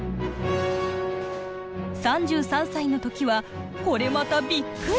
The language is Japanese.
３３歳の時はこれまたびっくり。